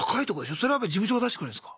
それは事務所が出してくれるんすか？